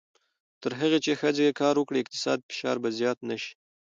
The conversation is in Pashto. تر هغه چې ښځې کار وکړي، اقتصادي فشار به زیات نه شي.